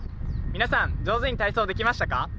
皆さん上手に体操できましたか？